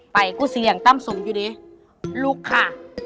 ไปกูเสียงตั้มสมอยู่ดิลุกค่ะ